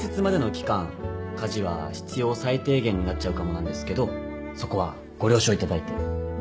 家事は必要最低限になっちゃうかもなんですけどそこはご了承いただいて。